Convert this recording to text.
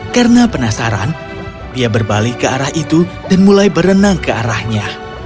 karena penasaran dia berbalik ke arah itu dan mulai berenang ke arahnya